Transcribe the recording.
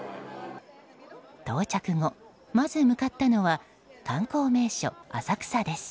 到着後、まず向かったのは観光名所・浅草です。